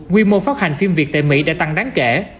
quy mô phát hành phim việt tại mỹ đã tăng đáng kể